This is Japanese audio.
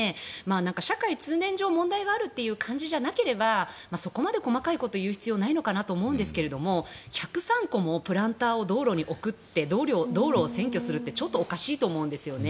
なんか社会通念上問題があるという場合でなければそこまで細かいことを言う必要はないのかなと思うんですが１０３個もプランタ−を道路に置くって道路を占拠するってちょっとおかしいと思うんですよね。